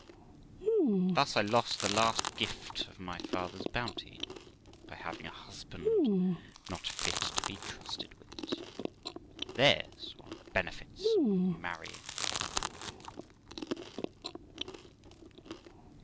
Thus I lost the last gift of my father's bounty by having a husband not fit to be trusted with it: there's one of the benefits of marrying a fool.